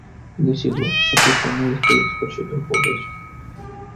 Desigur, acesta nu este sfârșitul poveștii.